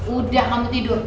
udah kamu tidur